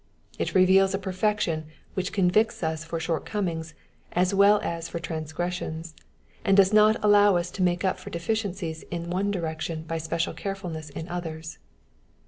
It reveals a perfection which convicts us for shortcomings as well as for trans gressions, and dues not allow us to make up for deficiencies in one direction by special carefulness in others.